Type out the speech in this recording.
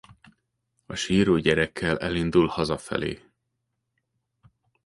A síró gyerekkel elindul hazafelé.